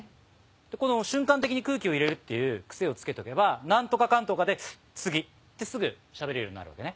この瞬間的に空気を入れるっていう癖をつけとけば「何とかかんとかで次」ってすぐしゃべれるようになるわけね。